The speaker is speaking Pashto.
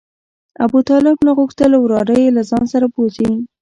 ابوطالب نه غوښتل وراره یې له ځان سره بوځي.